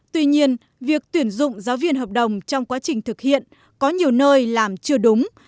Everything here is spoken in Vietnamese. tuy nhiên việc tuyển dụng giáo viên hợp đồng trong quá trình thực hiện có nhiều nơi làm chưa đúng